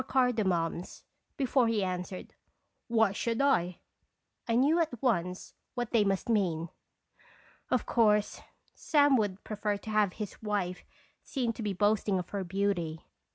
cardamoms, before he answered, "Why should I ?" I knew at once what they must mean. Of course, Sam would prefer to have his wife seen to boasting of her beauty.